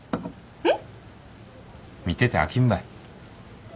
えっ？